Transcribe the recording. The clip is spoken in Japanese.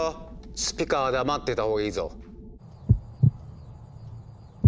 スピカは黙ってたほうがいいぞ。